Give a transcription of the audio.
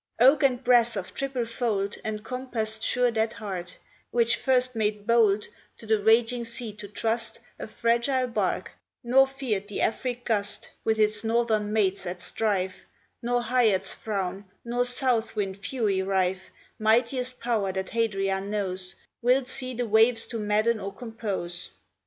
Oak and brass of triple fold Encompass'd sure that heart, which first made bold To the raging sea to trust A fragile bark, nor fear'd the Afric gust With its Northern mates at strife, Nor Hyads' frown, nor South wind fury rife, Mightiest power that Hadria knows, Wills he the waves to madden or compose.